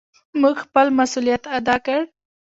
مونږ خپل مسؤليت ادا کړ.